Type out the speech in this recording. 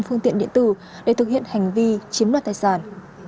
phương tiện điện tử để thực hiện hành vi chiếm đoạt tài sản